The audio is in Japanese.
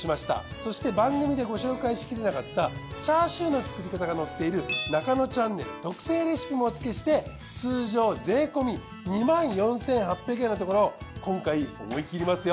そして番組でご紹介しきれなかったチャーシューの作り方が載っている『ナカノチャンネル』特製レシピもお付けして通常税込２４，８００円のところ今回思い切りますよ。